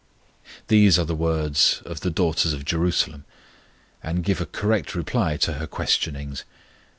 These are the words of the daughters of Jerusalem, and give a correct reply to her questionings.